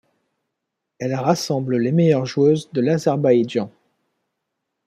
Elle rassemble les meilleures joueuses de l'Azerbaïdjan.